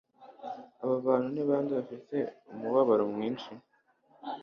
Abo bantu ni bande bafite umubabaro mwinshi